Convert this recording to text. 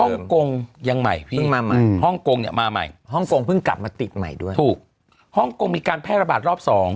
ฮ่องกงยังใหม่เพิ่งมาใหม่ฮ่องกงเนี่ยมาใหม่ฮ่องกงเพิ่งกลับมาติดใหม่ด้วยถูกฮ่องกงมีการแพร่ระบาดรอบสอง